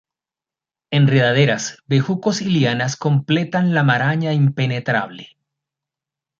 Enredaderas, bejucos y lianas completan la maraña impenetrable.